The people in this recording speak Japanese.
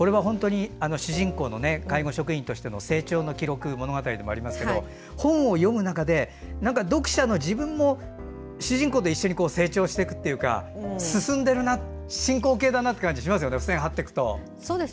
主人公の介護職員としての成長の記録物語でもありますが本を読む中で読者の自分も主人公と一緒に成長していくというか進んでるな、進行形だなって感じがしますよね付箋を貼っていくと。